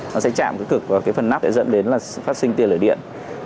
nó sẽ chạm cực cực vào phần nắp để dẫn đến phát sinh tiền lửa điện